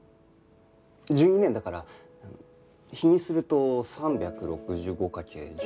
１２年だから日にすると３６５かけ１２で。